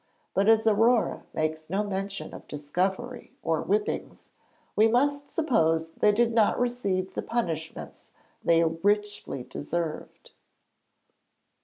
But as Aurore makes no mention of discovery or whippings, we must suppose they did not receive the punishments they richly deserved.